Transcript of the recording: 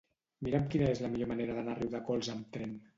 Mira'm quina és la millor manera d'anar a Riudecols amb tren.